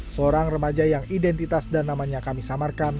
seorang remaja yang identitas dan namanya kami samarkan